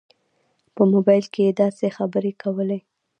په موبایل کې به یې داسې خبرې کولې.